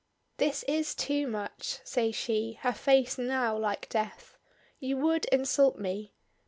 "This is too much," says she, her face now like death. "You would insult me!